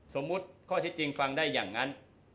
ข้อเท็จจริงฟังได้อย่างนั้น